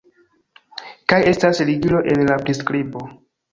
kaj estas ligilo en la priskribo